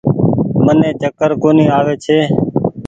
مني چڪر ڪونيٚ آوي ڇي۔